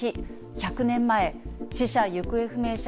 １００年前、死者・行方不明者